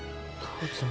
母ちゃん。